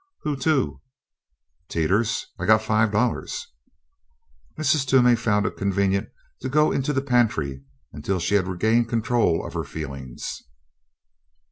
"Who to?" "Teeters. I got five dollars." Mrs. Toomey found it convenient to go into the pantry until she had regained control of her feelings.